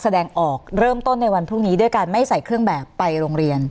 แสดงออกเริ่มต้นในวันพรุ่งนี้ด้วยการไม่ใส่เครื่องแบบไปโรงเรียน